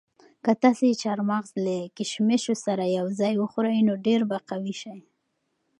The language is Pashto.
که تاسي چهارمغز له کشمشو سره یو ځای وخورئ نو ډېر به قوي شئ.